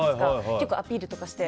結構アピールとかして。